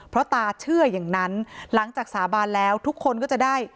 เพราะตาเชื่ออย่างนั้นหลังจากสาบานแล้วทุกคนก็จะได้